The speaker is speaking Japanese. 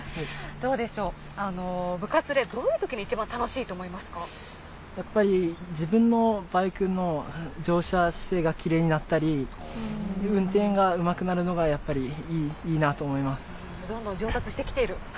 どうでしょう、部活でどういうとやっぱり自分のバイクの乗車姿勢がきれいになったり、運転がうまくなるのがやっぱりいいなとどんどん上達してきている？